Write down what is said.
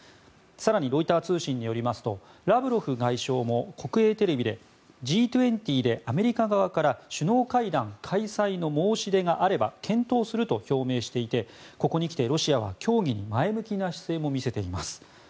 更に、ロイター通信によりますとラブロフ外相も国営テレビでＧ２０でアメリカ側から首脳会談開催の申し出があれば検討すると表明していてここに来てロシアは協議に前向きな姿勢も見せています。